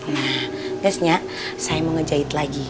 nah biasanya saya mau ngejahit lagi